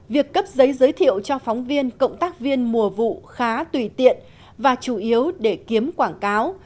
việc cấp giấy giới thiệu cho phóng viên cộng tác viên mùa vụ khá tùy tiện và chủ yếu để kiếm quảng cáo